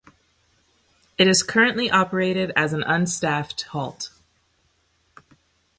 It is currently operated as an unstaffed halt.